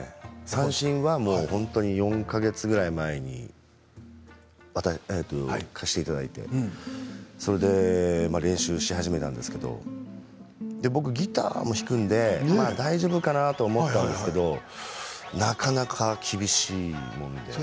三線は４か月ぐらい前に貸していただいて練習し始めたんですけれども僕、ギターも弾くので大丈夫かなと思ったんですけどなかなか厳しいもんです。